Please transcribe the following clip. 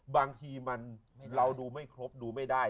บางทีเราดูไม่ครบดูไม่ได้